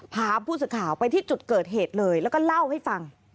พาผู้สื่อข่าวไปที่จุดเกิดเหตุเลยแล้วก็เล่าให้ฟัง